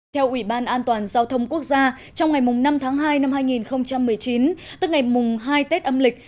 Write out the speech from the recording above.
theo ủy ban an toàn giao thông quốc gia trong ngày năm tháng hai năm hai nghìn một mươi chín tức ngày hai tết âm lịch